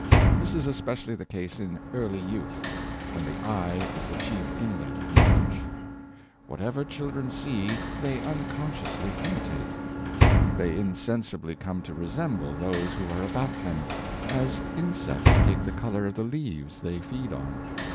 This is especially the case in early youth, when the eye is the chief inlet of knowl edge. Whatever children see they unconsciously imitate. 586 Home Influence They insensibly come to resemble those who are about them — as insects take the color of the leaves they feed on.